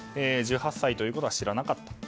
１８歳ということは知らなかったと。